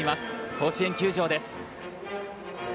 甲子園球場です。